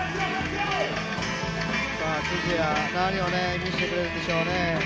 Ｋｕｚｙａ、何を見せてくれるんでしょうね。